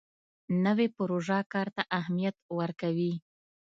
نوې پروژه کار ته اهمیت ورکوي